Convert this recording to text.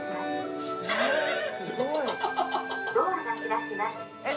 「ドアが開きます」